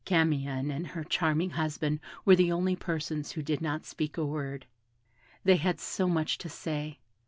Camion and her charming husband were the only persons who could not speak a word. They had so much to say.